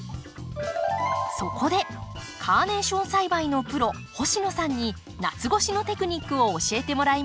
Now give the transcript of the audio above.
そこでカーネーション栽培のプロ星野さんに夏越しのテクニックを教えてもらいます。